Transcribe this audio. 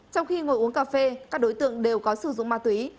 trong khi ngồi uống cà phê các đối tượng đều có sử dụng ma túy